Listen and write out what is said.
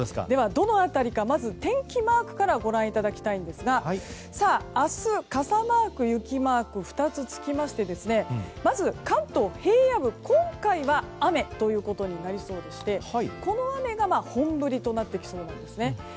では、どの辺りかまず天気マークからご覧いただきたいんですが明日傘マーク、雪マークが２つつきましてまず関東平野部は今回、雨となりそうでしてこの雨が本降りとなってきそうなんですね。